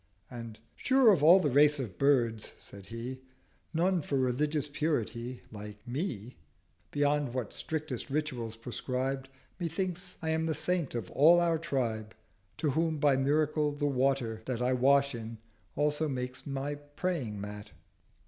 And 'Sure of all the Race of Birds,' said He, 'None for Religious Purity like Me, Beyond what strictest Rituals prescribe— Methinks I am the Saint of all our Tribe, To whom, by Miracle, the Water, that I wash in, also makes my Praying Mat.'